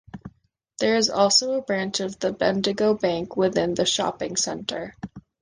There is also a branch of the Bendigo Bank within the shopping centre.